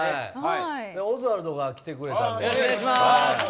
オズワルドが来てくれたんで。